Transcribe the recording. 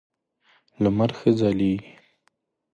لمر ښه ځلېږي .